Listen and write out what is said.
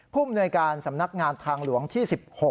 มนวยการสำนักงานทางหลวงที่๑๖